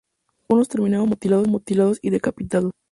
Algunos terminaron mutilados y decapitados.